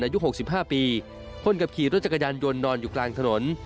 อายุ๖๕ปีคนขับขี่รถจักรยานยนต์นอนอยู่กลางถนน